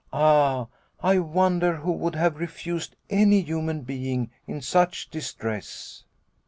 Ah, I wonder who would have refused any human being in such distress